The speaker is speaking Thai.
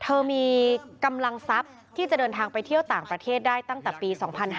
เธอมีกำลังทรัพย์ที่จะเดินทางไปเที่ยวต่างประเทศได้ตั้งแต่ปี๒๕๕๙